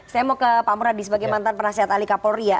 saya mau ke pak muradi sebagai mantan penasihat alika polri ya